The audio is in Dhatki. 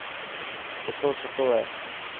ڪتو ستو هي.